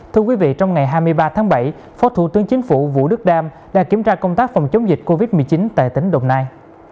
thưa quý vị trong ngày hai mươi ba tháng bảy phó thủ tướng chính phủ vũ đức đam đã kiểm tra công tác phòng chống dịch covid một mươi chín tại tỉnh đồng nai